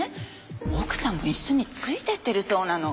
奥さんも一緒について行ってるそうなの。